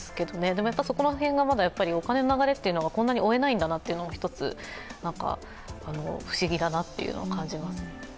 でも、そこら辺がお金の流れはこんなに追えないんだなというのは１つ、不思議だなというのは感じます。